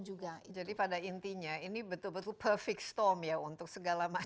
jadi cukup cukup banyak